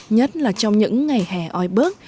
nhất là trong những ngày hè oi bớt